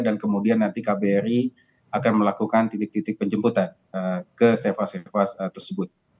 dan kemudian nanti kbri akan melakukan titik titik penjemputan ke safe house tersebut